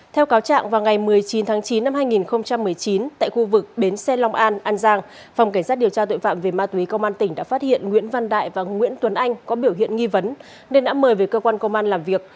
theo cáo trạng vào ngày một mươi chín tháng chín năm hai nghìn một mươi chín tại khu vực bến xe long an an giang phòng cảnh sát điều tra tội phạm về ma túy công an tỉnh đã phát hiện nguyễn văn đại và nguyễn tuấn anh có biểu hiện nghi vấn nên đã mời về cơ quan công an làm việc